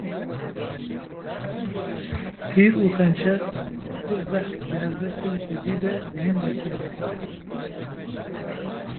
Tîr û xencer pir zehf di helbestên kurdî de dihên dîtin